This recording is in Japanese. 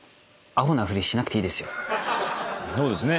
そうですね。